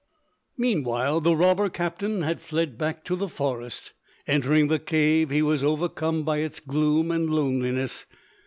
Meanwhile the robber captain had fled back to the forest. Entering the cave he was overcome by its gloom and loneliness.